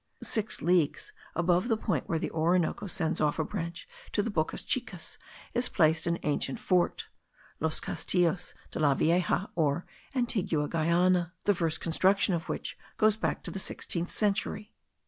Six leagues above the point where the Orinoco sends off a branch to the bocas chicas is placed an ancient fort (los Castillos de la Vieja or Antigua Guayana,) the first construction of which goes back to the sixteenth century.